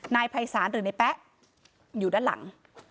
นายไพรสารหรือนายแป๊ะอยู่ด้านหลัง